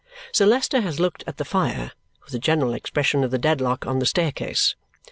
Sir Leicester has looked at the fire, with the general expression of the Dedlock on the staircase.